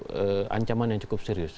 itu ancaman yang cukup serius